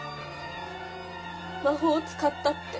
「魔法を使った」って。